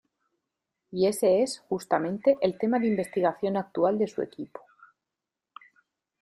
Y ese es, justamente, el tema de investigación actual de su equipo.